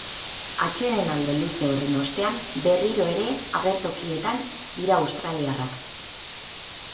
Atsedenaldi luze horren ostean, berriro ere agertokietan dira australiarrak.